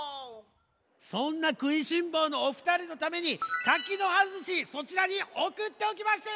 そんなくいしんぼうのおふたりのために柿の葉ずしそちらにおくっておきましたよ！